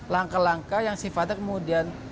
langkah langkah yang sifatnya kemudian